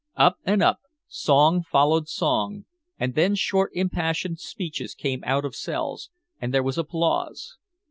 Up and up, song followed song, and then short impassioned speeches came out of cells, and there was applause.